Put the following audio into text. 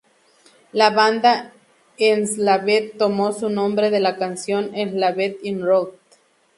La banda Enslaved tomó su nombre de la canción "Enslaved In Rot".